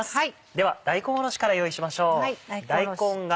では大根おろしから用意しましょう。